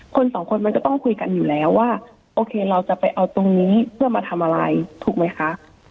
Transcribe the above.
คนสองคนมันก็ต้องคุยกันอยู่แล้วว่าโอเคเราจะไปเอาตรงนี้เพื่อมาทำอะไรถูกไหมคะ